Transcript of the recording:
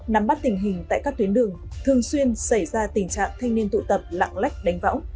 nắm bắt tình hình tại các tuyến đường thường xuyên xảy ra tình trạng thanh niên tụ tập lạng lách đánh võng